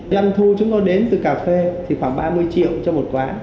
doanh thu chúng tôi đến từ cà phê thì khoảng ba mươi triệu cho một quán